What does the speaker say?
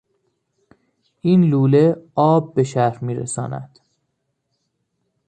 این لوله آب به شهر میرساند.